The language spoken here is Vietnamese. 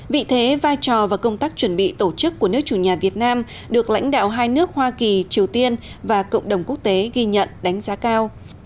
vị thế vai trò và công tác chuẩn bị tổ chức của nước chủ nhà việt nam được lãnh đạo hai nước hoa kỳ triều tiên và cộng đồng quốc tế ghi nhận đánh giá cao